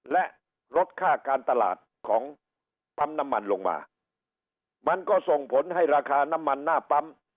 และลดค่าการตลาดของปั๊มน้ำมันลงมามันก็ส่งผลให้ราคาน้ำมันหน้าปั๊ม